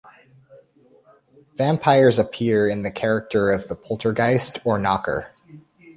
Vampires appear in the character of the poltergeist or knocker.